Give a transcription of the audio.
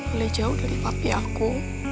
mulai jauh dari papi aku